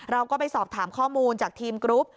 เราก็ไปสอบถามข้อมูลจากทีมกรุ๊ป